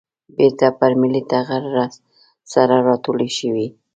بېرته پر ملي ټغر سره راټولې شوې.